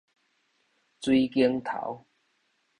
水梘頭